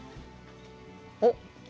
おっ。